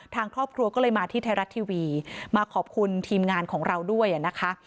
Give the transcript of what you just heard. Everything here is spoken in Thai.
ทางครอบครัวก็เลยมาที่ไทยรัฐทีวีมาขอบคุณทีมงานของเราด้วยนะคะ